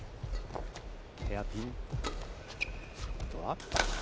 ヘアピン。